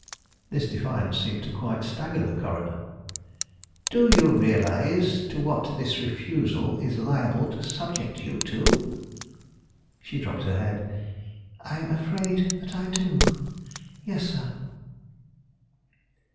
This defiance seemed to quite stagger the coroner. "Do you realize to what this refusal is liable to subject you?" She dropped her head. "I am afraid that I do; yes, sir."